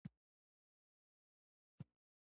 ټیټ عاید لرونکي مالي توان نه لري.